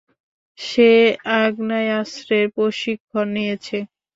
সে আগ্নেয়াস্ত্রের প্রশিক্ষণ নিয়েছে।